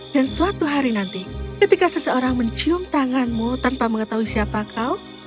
dan suatu hari nanti ketika seseorang mencium tanganmu tanpa mengetahui siapa kau